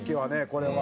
これは。